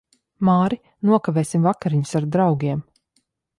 Māri, nokavēsim vakariņas ar draugiem.